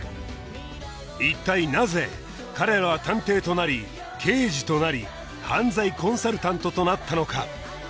一体なぜ彼らは探偵となり刑事となり犯罪コンサルタントとなったのか？